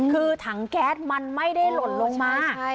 คือถังแก๊สมันไม่ได้หล่นลงมา